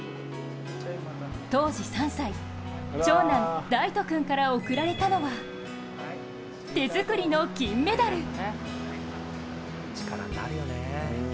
当時３歳、長男、大翔君から贈られたのは手作りの金メダル。